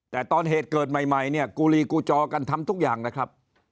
แต่ตอนเหตุเกิดใหม่เนี่ยกูลีกูจอกันทำทุกอย่างนะครับ